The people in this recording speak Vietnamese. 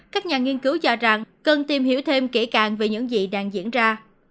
các nhà nghiên cứu cho rằng cần tìm hiểu thêm kỹ càng về những gì đang diễn ra